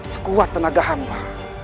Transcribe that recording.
sekuat tenaga hamba